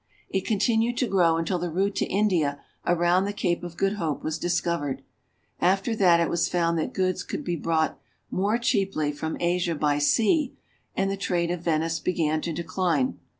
It continued to grow until the route to India around the Cape of Good Hope was discovered. After that it was found that goods could be brought more cheaply from Asia by sea, and the trade of Venice began to decline.